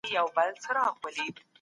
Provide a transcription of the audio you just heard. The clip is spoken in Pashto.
درناوی باید د ټولو انسانانو وسي.